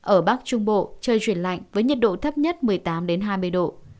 ở bắc trung bộ trời chuyển lạnh với nhiệt độ thấp nhất một mươi tám hai mươi độ